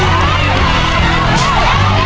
โอ้น่ะ